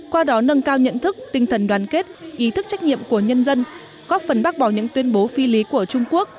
qua đó nâng cao nhận thức tinh thần đoàn kết ý thức trách nhiệm của nhân dân góp phần bác bỏ những tuyên bố phi lý của trung quốc